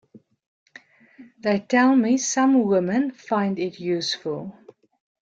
They tell me some women find it useful.